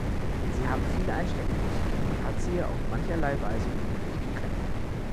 Sie haben viel einstecken müssen, und man hat sie auf mancherlei Weise unnötig gekränkt.